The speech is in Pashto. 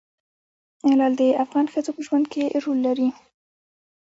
لعل د افغان ښځو په ژوند کې رول لري.